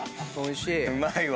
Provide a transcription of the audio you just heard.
うまいわ。